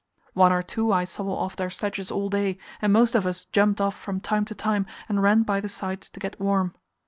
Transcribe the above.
One or two I saw off their sledges all day, and most of us jumped off from time to time and ran by the side to get warm.